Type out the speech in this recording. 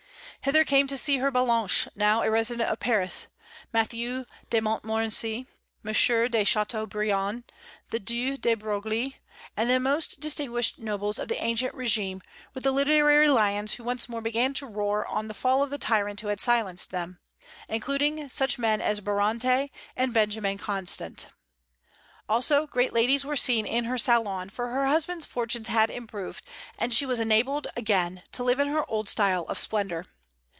Hither came to see her Ballanche, now a resident of Paris, Mathieu de Montmorency, M. de Châteaubriand, the Due de Broglie, and the most distinguished nobles of the ancient regime, with the literary lions who once more began to roar on the fall of the tyrant who had silenced them, including such men as Barante and Benjamin Constant. Also great ladies were seen in her salon, for her husband's fortunes had improved, and she was enabled again to live in her old style of splendor.